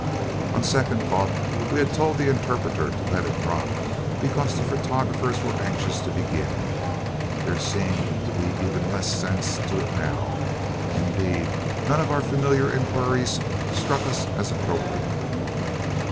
On second thought we had told the interpreter to let it drop because the photographers were anxious to begin. There seemed to be even less sense to it now. Indeed none of our familiar inquiries struck us as appropriate.